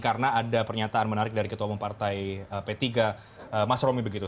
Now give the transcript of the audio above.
karena ada pernyataan menarik dari ketua umum partai p tiga mas romy begitu